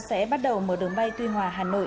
sẽ bắt đầu mở đường bay tuy hòa hà nội